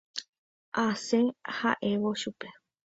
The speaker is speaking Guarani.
Asẽ ha'évo chupe.